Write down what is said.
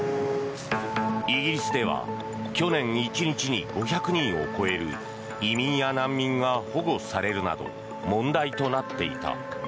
イギリスでは、去年１日に５００人を超える移民や難民が保護されるなど問題となっていた。